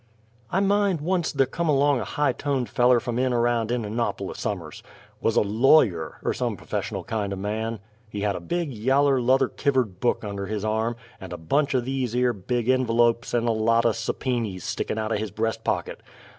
I mind onc't th' come along a high toned feller from in around In'i'nop'lus somers. Wuz a lawyer, er some p'fessional kind o' man. Had a big yaller, luther kivvered book under his arm, and a bunch o' these 'ere big en_vel_op's and a lot o' suppeenies stickin' out o' his breastpocket.